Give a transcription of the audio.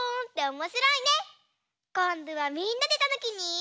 こんどはみんなでたぬきに。